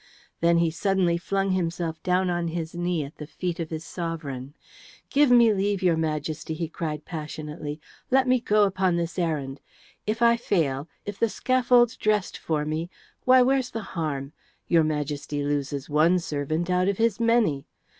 Then he suddenly flung himself down on his knee at the feet of his sovereign. "Give me leave, your Majesty," he cried passionately. "Let me go upon this errand. If I fail, if the scaffold's dressed for me, why where's the harm? Your Majesty loses one servant out of his many.